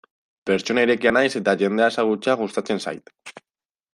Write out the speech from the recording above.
Pertsona irekia naiz eta jendea ezagutzea gustatzen zait.